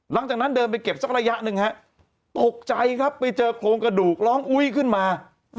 หลังจากนั้นเดินไปเก็บสักระยะหนึ่งฮะตกใจครับไปเจอโครงกระดูกร้องอุ้ยขึ้นมา